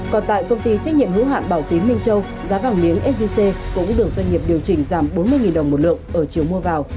còn tại công ty trách nhiệm hữu hạn bảo tín minh châu giá vàng miếng sgc cũng được doanh nghiệp điều chỉnh giảm bốn mươi đồng một lượng ở chiều mua vào